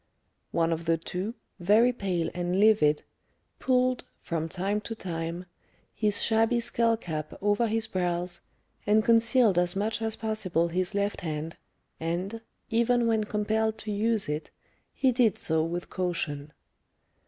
One of the two, very pale and livid, pulled, from time to time, his shabby skull cap over his brows, and concealed as much as possible his left hand, and, even when compelled to use it, he did so with caution.